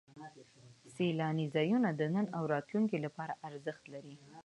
سیلاني ځایونه د نن او راتلونکي لپاره ارزښت لري.